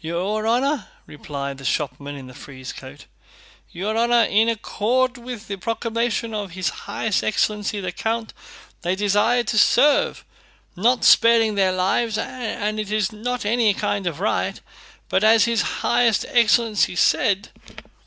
"Your honor..." replied the shopman in the frieze coat, "your honor, in accord with the proclamation of his highest excellency the count, they desire to serve, not sparing their lives, and it is not any kind of riot, but as his highest excellence said..."